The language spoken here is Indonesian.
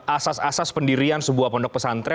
asas asas pendirian sebuah pondok pesantren